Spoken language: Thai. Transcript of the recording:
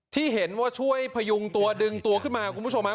ที่เห็นว่าช่วยพยุงตัวดึงตัวขึ้นมาคุณผู้ชมฮะ